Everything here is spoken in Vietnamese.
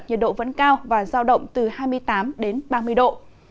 nhiệt độ vẫn cao và giao động từ hai mươi tám đến ba mươi độ